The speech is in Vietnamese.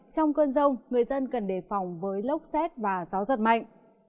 trong cơn rông người dân cần đề phòng với lốc xét và gió giật mạnh